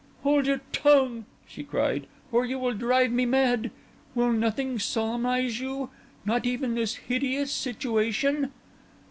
"Hold your tongue," she cried, "or you will drive me mad! Will nothing solemnise you—not even this hideous situation?"